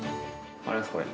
これです、これ。